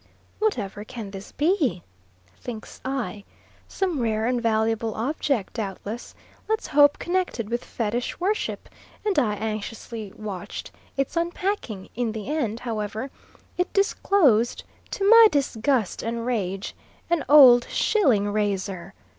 Whatever can this be? thinks I; some rare and valuable object doubtless, let's hope connected with Fetish worship, and I anxiously watched its unpacking; in the end, however, it disclosed, to my disgust and rage, an old shilling razor.